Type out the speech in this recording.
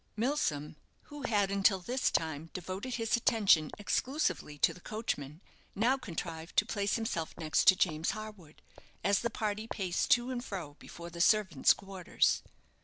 Milsom, who had until this time devoted his attention exclusively to the coachman, now contrived to place himself next to James Harwood, as the party paced to and fro before the servants' quarters.